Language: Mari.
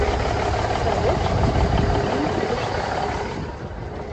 Сравоч — мыйын кидыште.